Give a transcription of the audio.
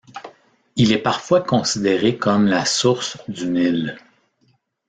Il est parfois considéré comme la source du Nil.